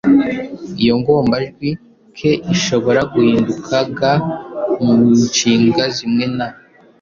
Iyo ngombajwi «k» ishobora guhinduka «g» mu nshinga zimwe na